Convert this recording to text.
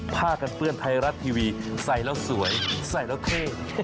ผ้ากันเปื้อนไทยรัฐทีวีใส่แล้วสวยใส่แล้วเท่